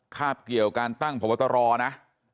คาบเกี่ยวการตั้งพบตรนะ